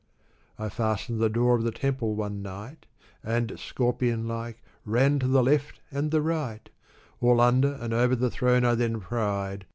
I fastened the door of the temple one night, And, scorpion like, ran to the left and the right All under and over the throne I then pried.